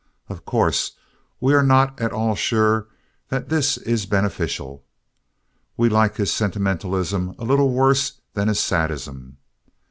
Of course, we are not at all sure that this is beneficial. We like his sentimentalism a little worse than his sadism.